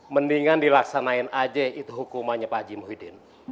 mendingan dilaksanain aja itu hukumannya pak jimu hidin